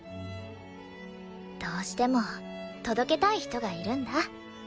どうしても届けたい人がいるんだ。